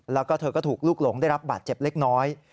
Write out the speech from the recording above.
แล้วก็เธอก็ถูกลูกหลงได้รับบาดเจ็บเล็กน้อย